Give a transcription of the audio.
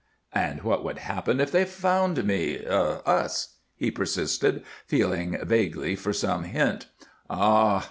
"And what would happen if they found me us?" he persisted, feeling vaguely for some hint. "Ah!"